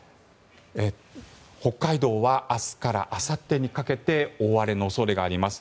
北海道は明日からあさってにかけて大荒れの恐れがあります。